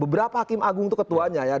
beberapa hakim agung itu ketuanya ya